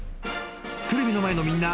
［テレビの前のみんな。